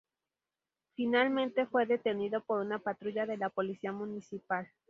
Finalmente fue detenido por una patrulla de la Policía Municipal.